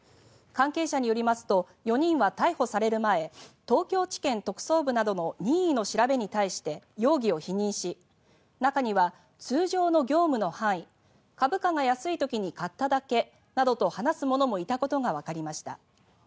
関係者によりますと４人は逮捕される前東京地検特捜部などの任意の調べに対して容疑を否認し中には、通常の業務の範囲株価が安い時に買っただけなどと話す者もいたことがわかりました。